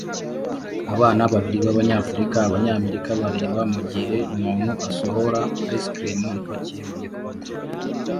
Abana babiri b'Abanyafurika-Abanyamerika bareba mu gihe umuntu asohora ice cream ipakiye mu gikombe